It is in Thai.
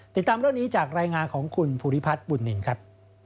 ติดตามเรื่องนี้จากรายงานของคุณภูริพัฒน์บุญนินครับ